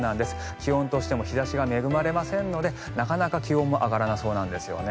気温としても日差しに恵まれませんのでなかなか気温も上がらなそうなんですね。